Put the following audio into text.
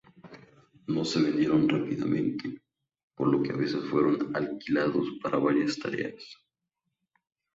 No se vendieron rápidamente, por lo que a veces fueron alquilados para varias tareas.